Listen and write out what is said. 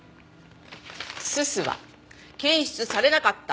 煤は検出されなかった。